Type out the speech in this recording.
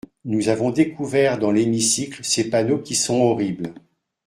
Nous avons découvert dans l’hémicycle ces panneaux, qui sont horribles.